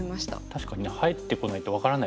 確かにね入ってこないと分からないっていうか